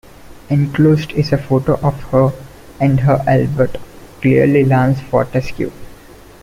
Enclosed is a photo of her and her Albert, clearly Lance Fortescue.